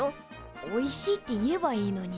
おいしいって言えばいいのに。